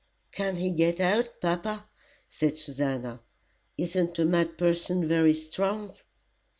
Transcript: "Can't he get out, papa?" said Susannah. "Isn't a mad person very strong?"